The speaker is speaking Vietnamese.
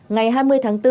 ngày hai mươi tháng bốn